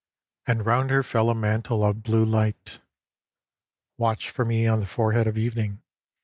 And round her fell a mantle of blue light. " Watch for me on the forehead of evening."